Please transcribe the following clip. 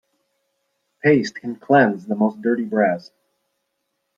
Paste can cleanse the most dirty brass.